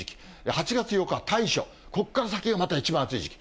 ８月８日は大暑、ここから先がまた一番暑い時期。